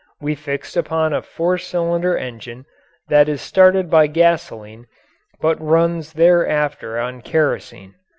We fixed upon a four cylinder engine that is started by gasoline but runs thereafter on kerosene.